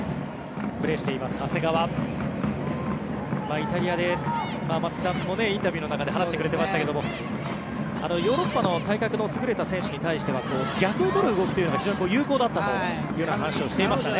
イタリアで、松木さんもインタビューの中で話してくれていましたけどヨーロッパの体格の優れた選手に対しては逆を取る動きが非常に有効だったという話をしていましたね。